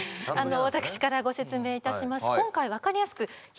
私からご説明いたします。